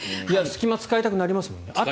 隙間を使いたくなりますもんね。